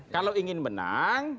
kalau ingin menang